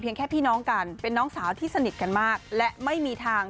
แค่พี่น้องกันเป็นน้องสาวที่สนิทกันมากและไม่มีทาง